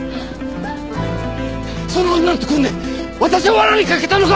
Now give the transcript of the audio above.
その女と組んで私を罠にかけたのか！？